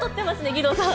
義堂さん。